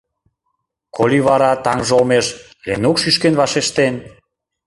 Коли вара таҥже олмеш Ленук шӱшкен вашештен?